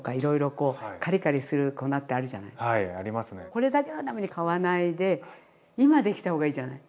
これだけのために買わないで今できた方がいいじゃない？